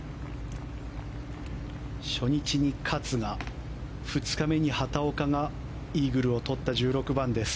初日に勝が２日目に畑岡がイーグルをとった１６番です。